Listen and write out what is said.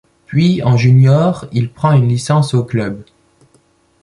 Puis en junior, il prend une licence au club '.